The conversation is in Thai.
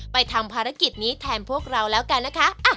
ทำภารกิจนี้แทนพวกเราแล้วกันนะคะ